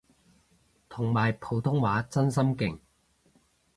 同埋普通話真心勁